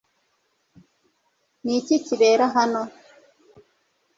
ni iki kibera hano